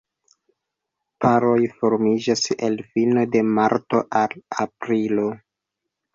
Paroj formiĝas el fino de marto al aprilo.